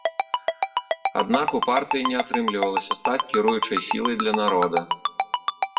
Аднак у партыі не атрымлівалася стаць кіруючай сілай для народа.